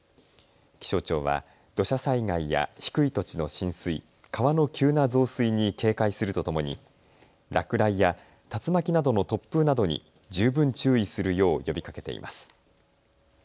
気象庁は土砂災害や低い土地の浸水、川の急な増水に警戒するとともに落雷や竜巻などの突風などに十分注意するよう呼びかけています。